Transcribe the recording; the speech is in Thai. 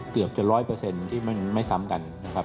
เกือบจะร้อยเปอร์เซ็นต์ที่มันไม่ซ้ำกัน